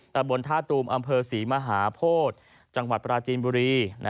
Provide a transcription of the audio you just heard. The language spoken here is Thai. บนท่าตูมอำเภอศรีมหาโพธิจังหวัดปราจีนบุรี